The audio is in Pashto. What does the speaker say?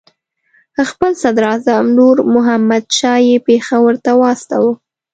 خپل صدراعظم نور محمد شاه یې پېښور ته واستاوه.